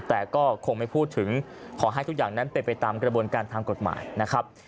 แต่ก็คงไม่พูดถึงขอให้ทุกอย่างนั้นเป็นไปตามกระบวนการทางกฎหมายนะครับ